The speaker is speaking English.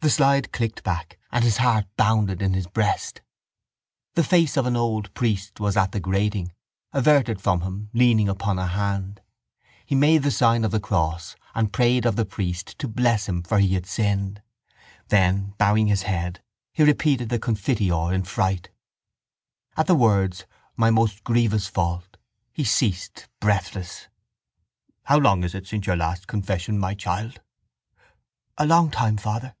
The slide clicked back and his heart bounded in his breast. The face of an old priest was at the grating, averted from him, leaning upon a hand. He made the sign of the cross and prayed of the priest to bless him for he had sinned. Then, bowing his head, he repeated the Confiteor in fright. At the words my most grievous fault he ceased, breathless. —How long is it since your last confession, my child? —A long time, father.